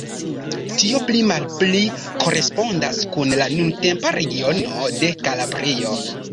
Tio pli malpli korespondas kun la nuntempa regiono de Kalabrio.